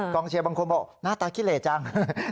กรองเชียร์บางคนบอกหน้าตาคิเลจัง